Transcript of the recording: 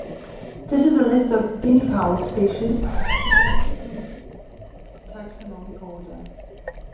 This is a list of guineafowl species, presented in taxonomic order.